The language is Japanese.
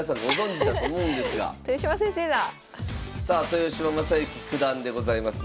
豊島将之九段でございます。